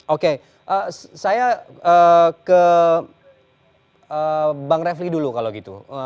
oke saya ke bang refli dulu kalau gitu